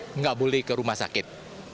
tidak boleh ke rumah sakit